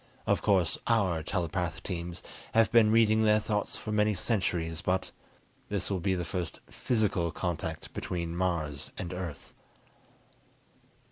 Of course our telepath teams have been reading their thoughts for many centuries, but this will be the first physical contact between Mars and Earth."